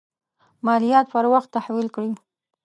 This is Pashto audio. مالیات پر وخت تحویل کړي.